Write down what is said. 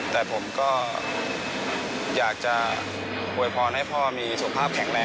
แต่ผมก็อยากจะปล่อยพร้อมให้พ่อมีสภาพแข็งแรง